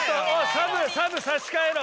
サブ差し替えろ！